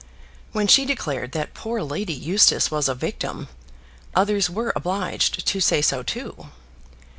When she declared that poor Lady Eustace was a victim, others were obliged to say so too.